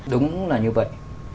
đúng là như vậy